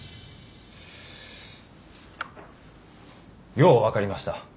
よう分かりました。